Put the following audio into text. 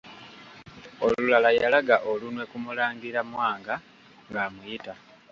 Olulala yalaga olunwe ku Mulangira Mwanga ng'amuyita.